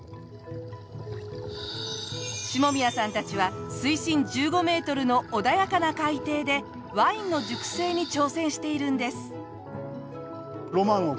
下宮さんたちは水深１５メートルの穏やかな海底でワインの熟成に挑戦しているんです。